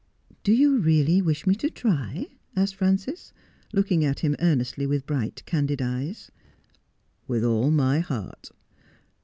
' Do you really wish me to try 1 ' asked Frances, looking at him earnestly with bright, candid eyes. ' With all my heart.'